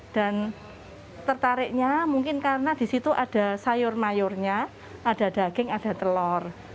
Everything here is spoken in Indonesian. dan tertariknya mungkin karena disitu ada sayur mayurnya ada daging ada telur